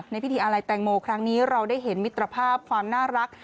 ในพิธีอะไรแตงโมครั้งนี้เราได้เห็นมิตรภาพความน่ารัก